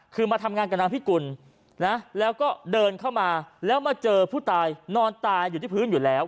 คือมาทำงานกับนางพิกุลนะแล้วก็เดินเข้ามาแล้วมาเจอผู้ตายนอนตายอยู่ที่พื้นอยู่แล้ว